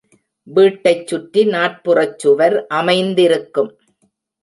வீட்டைச் சுற்றி நாற்புறச் சுவர் அமைந்திருக்கும்.